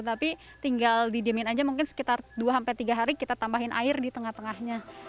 tapi tinggal didiemin aja mungkin sekitar dua tiga hari kita tambahin air di tengah tengahnya